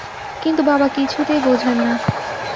কিন্তু বাবা কিছুতেই বোঝেন না।